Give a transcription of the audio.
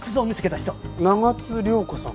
長津涼子さん？